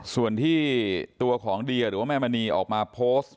ส่วนที่ตัวของเดียหรือว่าแม่มณีออกมาโพสต์